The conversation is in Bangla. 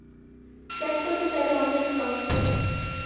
চ্যাট করতে চাইলে অনলাইনে নক দিয়ো।